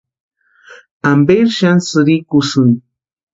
¿Amperi xani sïrikusïni?